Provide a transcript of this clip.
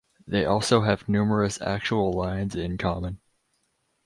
They also have numerous actual lines in common.